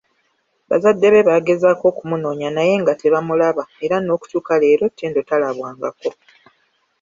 Bazadde be baagezaako okumunoonya naye nga tebamulaba era n'okutuuka leero Ttendo talabwangako.